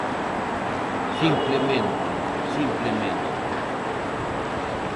¡Simplemente, simplemente!